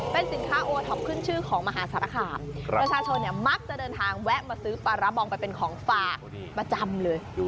เป็นสินค้าโอวธอ็อกขึ้นชื่อของมหาสรรคาปกับชาชนมักจะเดินทางแวะมาซื้อปราบองเป็นของฝากประจำเลย